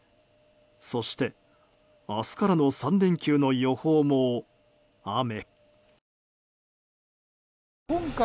そして、明日からの３連休の予報も雨。